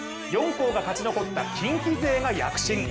４校が勝ち残った近畿勢が躍進。